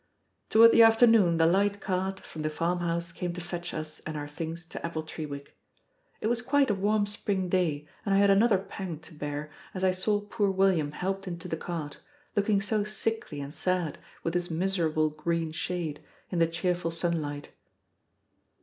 Toward the afternoon the light cart from the farmhouse came to fetch us and our things to Appletreewick. It was quite a warm spring day, and I had another pang to bear as I saw poor William helped into the cart, looking so sickly and sad, with his miserable green shade, in the cheerful sunlight.